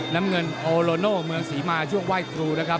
น้ำเงินโอโลโน่เมืองศรีมาช่วงไหว้ครูนะครับ